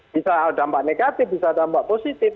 bisa dampak negatif bisa dampak positif